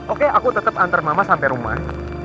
oke aku tetep antar mama sampe rumah